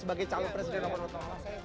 seperti yang sudah dikatakan pak wiranto